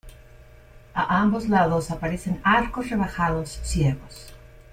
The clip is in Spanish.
A ambos lados aparecen arcos rebajados ciegos.